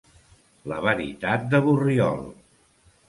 La veritat de Borriol.